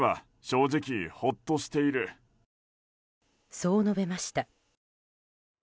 そう述べました。